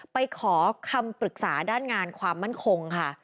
ไปขอคำปรึกษาด้านงานความมั่นคงค่ะ